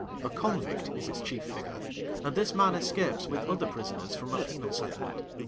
A convict is its chief figure, and this man escapes with other prisoners from a penal settlement.